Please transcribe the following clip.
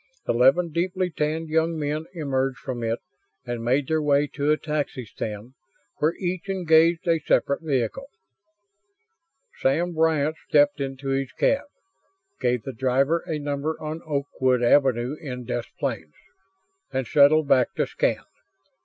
Eleven deeply tanned young men emerged from it and made their way to a taxi stand, where each engaged a separate vehicle. Sam Bryant stepped into his cab, gave the driver a number on Oakwood Avenue in Des Plaines, and settled back to scan.